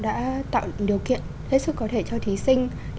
đã tạo điều kiện hết sức có thể cho thí sinh